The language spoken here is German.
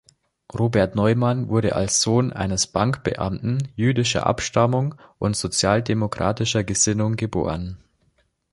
Robert Neumann wurde als Sohn eines Bankbeamten jüdischer Abstammung und sozialdemokratischer Gesinnung geboren.